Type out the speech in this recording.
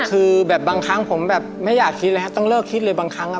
คือแบบบางครั้งผมแบบไม่อยากคิดเลยฮะต้องเลิกคิดเลยบางครั้งอ่ะ